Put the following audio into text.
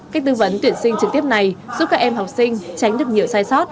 cách tư vấn tuyển sinh trực tiếp này giúp các em học sinh tránh được nhiều sai sót